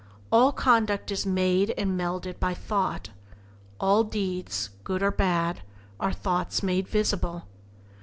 All conduct is made and melded by thought; all deeds, good or bad, are thoughts made visible.